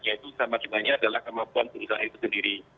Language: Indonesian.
yaitu sama juga adalah kemampuan pengusaha itu sendiri